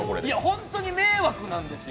本当に迷惑なんですよ。